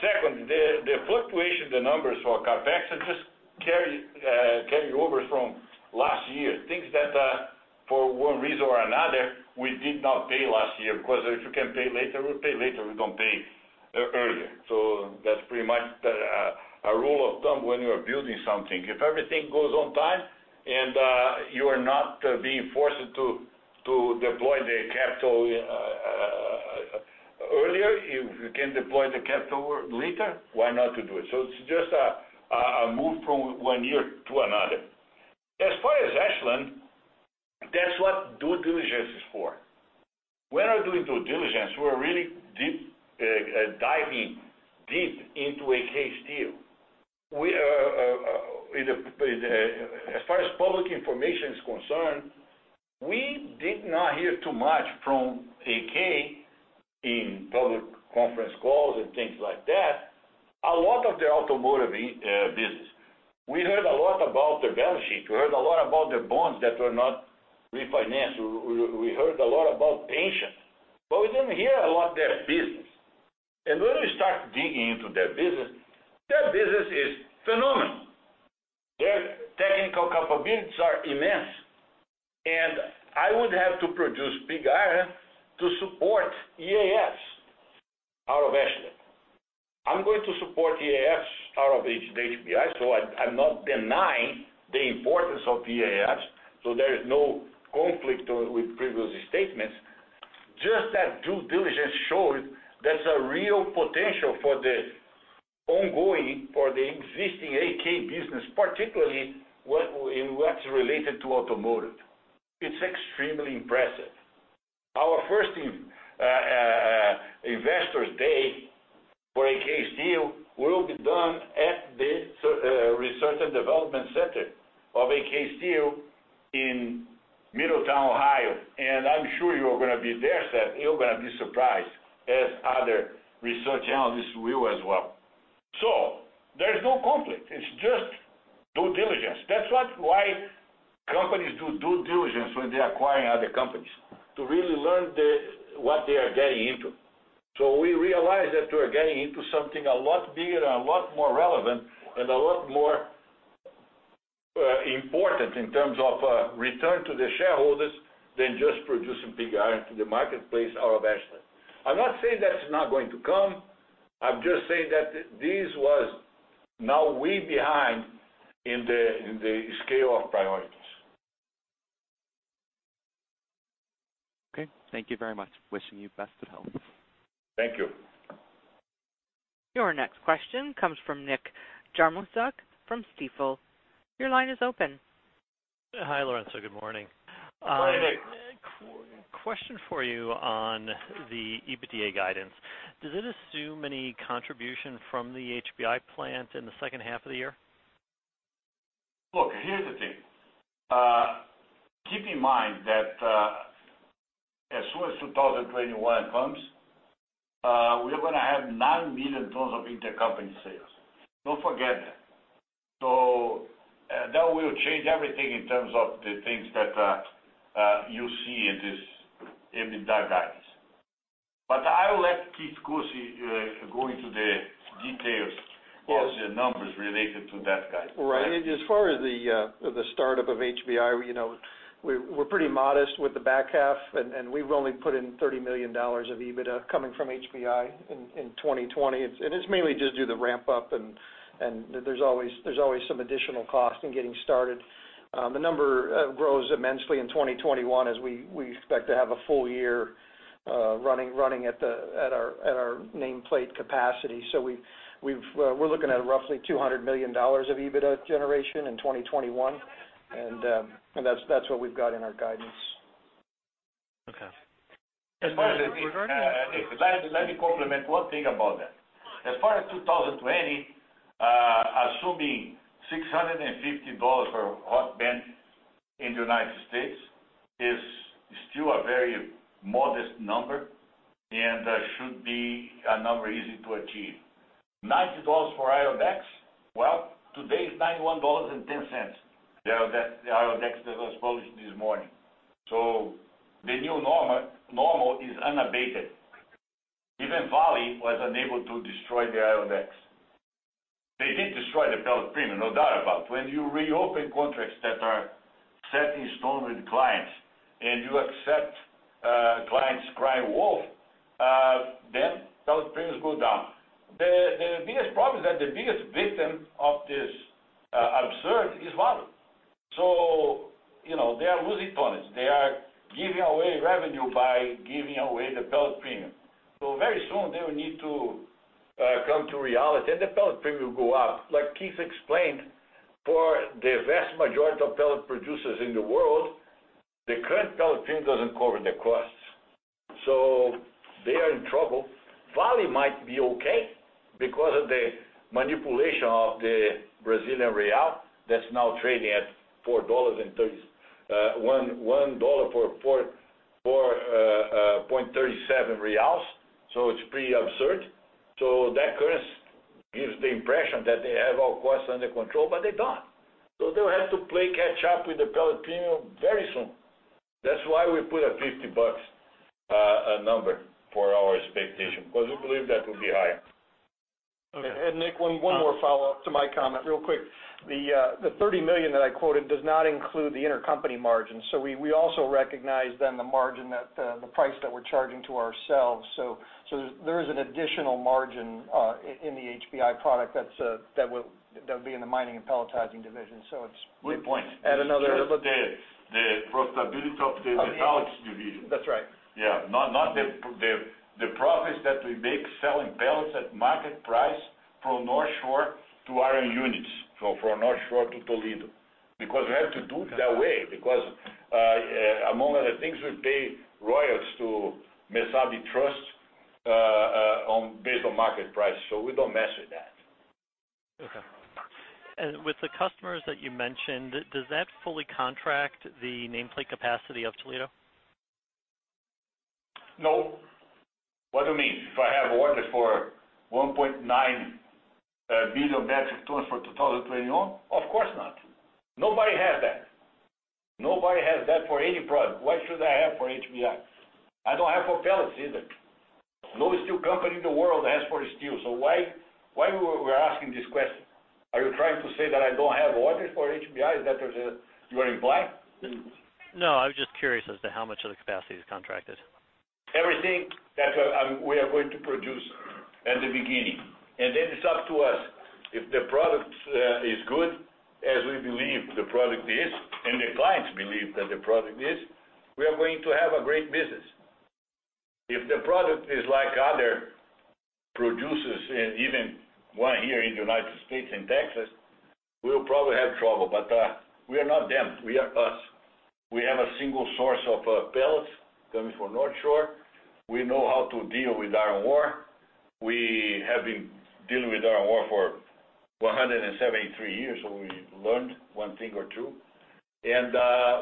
S2: Second, the fluctuation, the numbers for CapEx are just carryovers from last year, things that, for one reason or another, we did not pay last year, because if you can pay later, we'll pay later. We don't pay earlier. That's pretty much a rule of thumb when you are building something. If everything goes on time and you are not being forced to deploy the capital earlier, if you can deploy the capital later, why not to do it? It's just a move from one year to another. As far as Ashland, that's what due diligence is for. When we're doing due diligence, we're really diving deep into AK Steel. As far as public information is concerned, we did not hear too much from AK in public conference calls and things like that, a lot of their automotive business. We heard a lot about their balance sheet. We heard a lot about their bonds that were not refinanced. We heard a lot about pensions, but we didn't hear a lot their business. When we start digging into their business, their business is phenomenal. Their technical capabilities are immense, and I would have to produce pig iron to support EAFs out of Ashland. I'm going to support EAFs out of the HBI, so I'm not denying the importance of EAFs, so there is no conflict with previous statements. Just that due diligence showed there's a real potential for the ongoing, for the existing AK business, particularly in what's related to automotive. It's extremely impressive. Our first investor's day for AK Steel will be done at the research and development center of AK Steel in Middletown, Ohio, and I'm sure you're going to be there, Seth. You're going to be surprised, as other research analysts will as well. There's no conflict. It's just due diligence. That's why companies do due diligence when they're acquiring other companies, to really learn what they are getting into. We realized that we're getting into something a lot bigger and a lot more relevant and a lot more important in terms of return to the shareholders than just producing pig iron to the marketplace out of Ashland. I'm not saying that's not going to come. I'm just saying that this was now way behind in the scale of priorities.
S6: Okay. Thank you very much. Wishing you best of health.
S2: Thank you.
S1: Your next question comes from Nick Jarmoszuk from Stifel. Your line is open.
S7: Hi, Lourenco. Good morning.
S2: Good morning, Nick.
S7: Question for you on the EBITDA guidance. Does it assume any contribution from the HBI plant in the second half of the year?
S2: Look, here's the thing. Keep in mind that, as soon as 2021 comes, we are going to have 9 million tons of intercompany sales. Don't forget that. That will change everything in terms of the things that you see in this EBITDA guidance. I will let Keith Koci go into the details of the numbers related to that guidance.
S3: Right. As far as the startup of HBI, we're pretty modest with the back half, and we've only put in $30 million of EBITDA coming from HBI in 2020. It's mainly just due to the ramp-up, and there's always some additional cost in getting started. The number grows immensely in 2021 as we expect to have a full year running at our nameplate capacity. We're looking at roughly $200 million of EBITDA generation in 2021, and that's what we've got in our guidance.
S7: Okay.
S2: Let me complement one thing about that. As far as 2020, assuming $650 for hot band in the United States is still a very modest number, and should be a number easy to achieve. $90 for IODEX, well, today it's $91.10, the IODEX that was published this morning. The new normal is unabated. Even Vale was unable to destroy the IODEX. They did destroy the pellet premium, no doubt about it. When you reopen contracts that are set in stone with clients, and you accept clients cry wolf, then pellet premiums go down. The biggest problem is that the biggest victim of this absurd is Vale. They are losing tonnage. They are giving away revenue by giving away the pellet premium. Very soon, they will need to come to reality, and the pellet premium will go up. Like Keith explained, for the vast majority of pellet producers in the world, the current pellet premium doesn't cover the costs. They are in trouble. Vale might be okay because of the manipulation of the Brazilian real that's now trading at $1 for 4.37 reais, so it's pretty absurd. That currency gives the impression that they have all costs under control, but they don't. They'll have to play catch up with the pellet premium very soon. That's why we put a $50 number for our expectation, because we believe that will be higher.
S3: Nick, one more follow-up to my comment real quick. The $30 million that I quoted does not include the intercompany margin. We also recognize then the margin that the price that we're charging to ourselves. There is an additional margin in the HBI product that'll be in the mining and pelletizing division.
S2: Good point.
S3: Add another little bit.
S2: The profitability of the pellets division.
S3: That's right.
S2: Yeah. Not the profits that we make selling pellets at market price from Northshore to our own units, so from Northshore to Toledo. Because we have to do it that way, because among other things, we pay royalties to Mesabi Trust based on market price. We don't mess with that.
S7: Okay. With the customers that you mentioned, does that fully contract the nameplate capacity of Toledo?
S2: No. What do you mean? If I have orders for 1.9 billion metric tons for 2021? Of course not. Nobody has that. Nobody has that for any product. Why should I have for HBI? I don't have for pellets either. No steel company in the world asks for steel, so why we're asking this question? Are you trying to say that I don't have orders for HBI? Is that what you are implying?
S7: No, I was just curious as to how much of the capacity is contracted.
S2: Everything that we are going to produce at the beginning. Then it's up to us. If the product is good, as we believe the product is, and the clients believe that the product is, we are going to have a great business. If the product is like other producers, and even one here in the United States in Texas, we'll probably have trouble. We are not them. We are us. We have a single source of pellets coming from Northshore. We know how to deal with iron ore. We have been dealing with iron ore for 173 years, so we learned one thing or two, and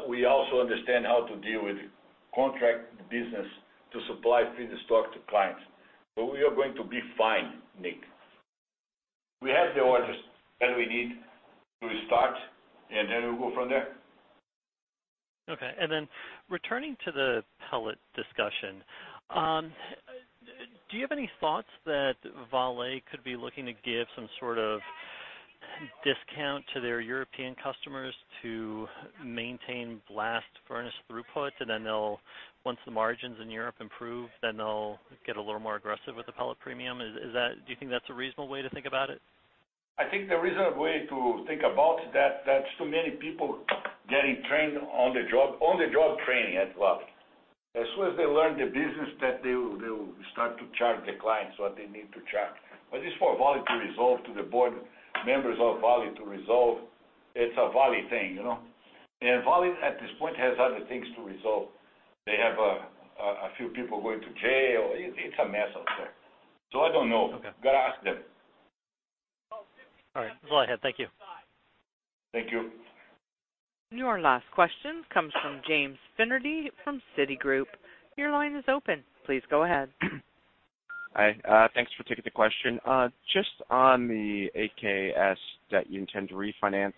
S2: we also understand how to deal with contract business to supply feedstock to clients. We are going to be fine, Nick. We have the orders that we need to start, and then we'll go from there.
S7: Okay, then returning to the pellet discussion, do you have any thoughts that Vale could be looking to give some sort of discount to their European customers to maintain blast furnace throughput, and then once the margins in Europe improve, then they'll get a little more aggressive with the pellet premium. Do you think that's a reasonable way to think about it?
S2: I think the reasonable way to think about that's too many people getting trained on the job, on-the-job training as well. As soon as they learn the business, they will start to charge the clients what they need to charge. It's for Vale to resolve, to the board members of Vale to resolve. It's a Vale thing. Vale, at this point, has other things to resolve. They have a few people going to jail. It's a mess out there. I don't know.
S7: Okay.
S2: You got to ask them.
S7: All right. That's all I had. Thank you.
S2: Thank you.
S1: Your last question comes from James Finnerty from Citigroup. Your line is open. Please go ahead.
S8: Hi. Thanks for taking the question. Just on the AKS that you intend to refinance,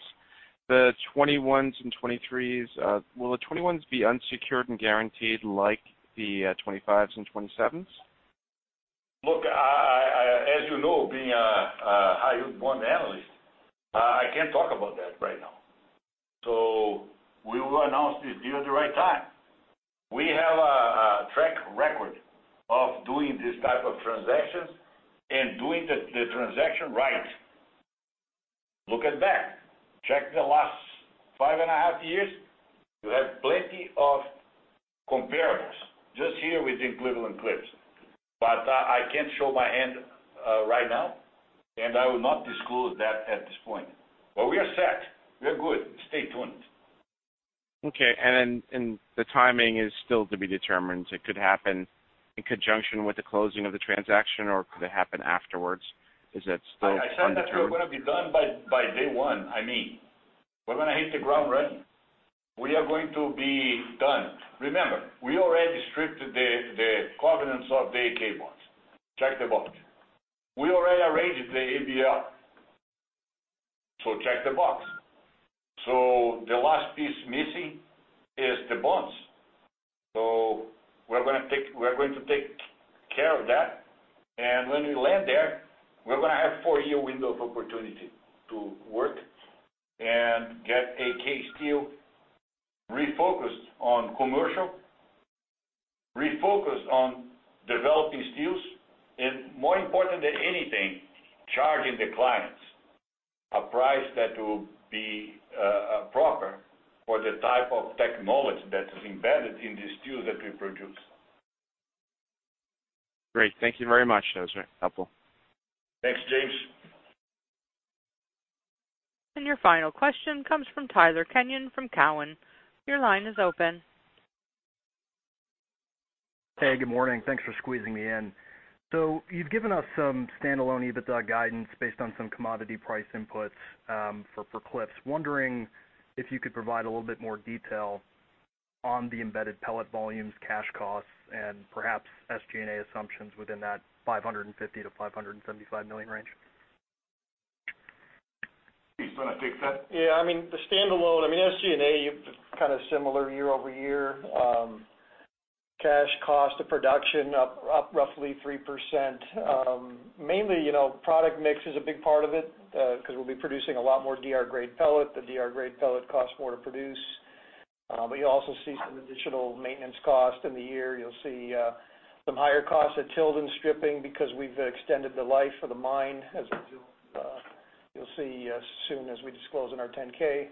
S8: the 2021s and 2023s, will the 2021s be unsecured and guaranteed like the 2025s and 2027s?
S2: Look, as you know, being a high-yield bond analyst, I can't talk about that right now. We will announce this deal at the right time. We have a track record of doing these type of transactions and doing the transaction right. Look at that. Check the last five and a half years. You have plenty of comparables just here within Cleveland-Cliffs, but I can't show my hand right now, and I will not disclose that at this point. We are set. We are good. Stay tuned.
S8: Okay, the timing is still to be determined. It could happen in conjunction with the closing of the transaction, or could it happen afterwards? Is that still undetermined?
S2: I said that we're gonna be done by day one, I mean, we're gonna hit the ground running. We are going to be done. Remember, we already stripped the covenants of the AK bonds. Check the box. We already arranged the ABL. Check the box. The last piece missing is the bonds. We're going to take care of that, and when we land there, we're gonna have four-year window of opportunity to work and get AK Steel refocused on commercial, refocused on developing steels, and more important than anything, charging the clients a price that will be proper for the type of technology that is embedded in the steel that we produce.
S8: Great. Thank you very much. That was very helpful.
S2: Thanks, James.
S1: Your final question comes from Tyler Kenyon from Cowen. Your line is open.
S9: Hey, good morning. Thanks for squeezing me in. You've given us some standalone EBITDA guidance based on some commodity price inputs for Cliffs. Wondering if you could provide a little bit more detail on the embedded pellet volumes, cash costs, and perhaps SG&A assumptions within that $550 million-$575 million range.
S2: Please, want to take that?
S3: The standalone SG&A, kind of similar year-over-year. Cash cost of production up roughly 3%. Mainly, product mix is a big part of it, because we'll be producing a lot more DR-grade pellet. The DR-grade pellet costs more to produce. You'll also see some additional maintenance cost in the year. You'll see some higher costs at Tilden stripping because we've extended the life of the mine, as you'll see as soon as we disclose in our 10-K.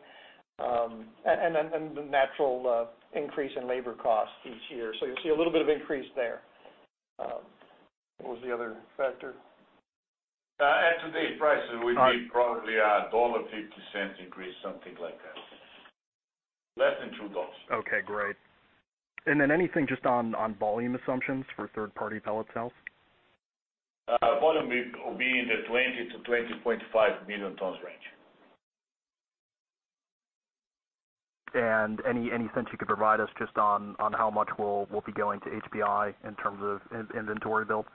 S3: The natural increase in labor costs each year. You'll see a little bit of increase there. What was the other factor?
S2: At today's prices, would be probably a $1.50 increase, something like that. Less than $2.
S9: Okay, great. Anything just on volume assumptions for third-party pellet sales?
S2: Volume will be in the 20 million tons-20.5 million tons range.
S9: Any sense you could provide us just on how much will be going to HBI in terms of inventory build?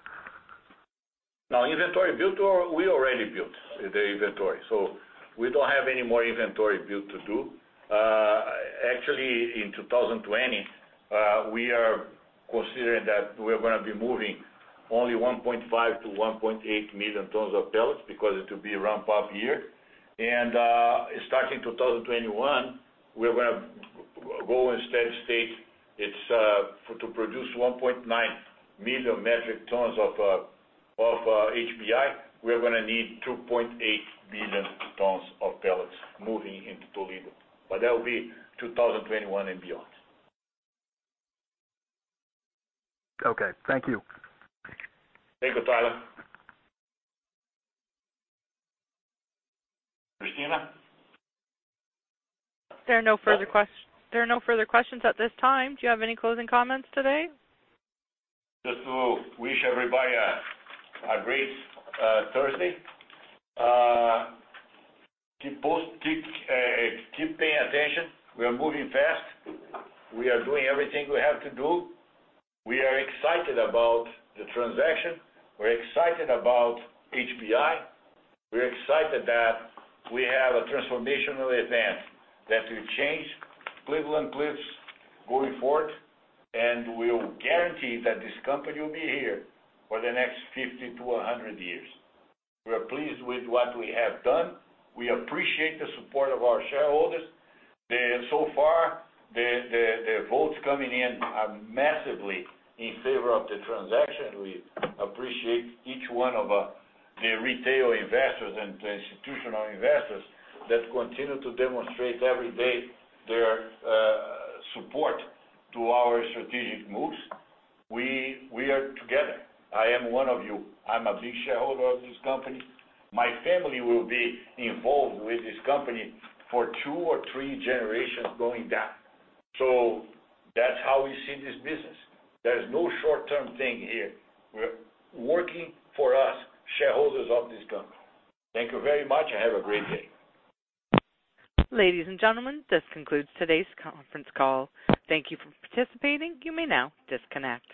S2: No, inventory build, we already built the inventory. We don't have any more inventory build to do. Actually, in 2020, we are considering that we're gonna be moving only 1.5 million tons-1.8 million tons of pellets because it will be a ramp-up year. Starting 2021, we're gonna go in steady state. To produce 1.9 million metric tons of HBI, we're gonna need 2.8 million tons of pellets moving into Toledo. That will be 2021 and beyond.
S9: Okay. Thank you.
S2: Thank you, Tyler. Christina?
S1: There are no further questions at this time. Do you have any closing comments today?
S2: Just to wish everybody a great Thursday. Keep paying attention. We are moving fast. We are doing everything we have to do. We are excited about the transaction, we're excited about HBI, we're excited that we have a transformational event that will change Cleveland-Cliffs going forward, and will guarantee that this company will be here for the next 50-100 years. We are pleased with what we have done. We appreciate the support of our shareholders. So far, the votes coming in are massively in favor of the transaction. We appreciate each one of the retail investors and the institutional investors that continue to demonstrate every day their support to our strategic moves. We are together. I am one of you. I'm a big shareholder of this company. My family will be involved with this company for two or three generations going down. That's how we see this business. There's no short-term thing here. We're working for us, shareholders of this company. Thank you very much and have a great day.
S1: Ladies and gentlemen, this concludes today's conference call. Thank you for participating. You may now disconnect.